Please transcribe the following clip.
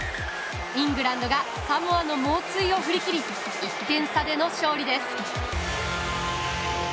イングランドがサモアの猛追を振り切り１点差での勝利です。